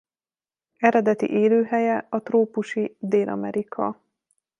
Eredeti élőhelye a trópusi Dél-Amerika.